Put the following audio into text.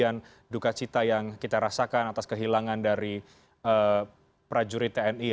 kita beri pengetahuan kemudian dukacita yang kita rasakan atas kehilangan dari prajurit tni